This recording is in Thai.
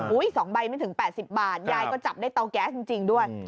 ๒ใบไม่ถึง๘๐บาทยายก็จับได้เตาแก๊สจริงด้วย